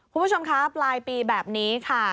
ผู้ชมครับปลายปีแบบนี้ค่ะ